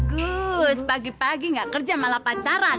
gus pagi pagi gak kerja malah pacaran